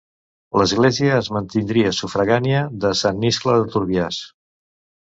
L'església es mantindria sufragània de Sant Iscle de Turbiàs.